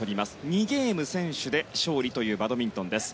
２ゲーム先取で勝利というバドミントンです。